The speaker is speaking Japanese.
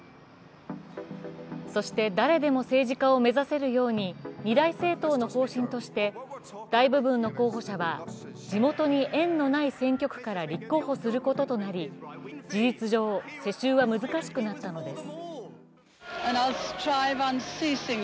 そして、誰でも政治家を目指せるように２大政党の方針として大部分の候補者は地元に縁のない選挙区から立候補することとなり事実上、世襲は難しくなったのです。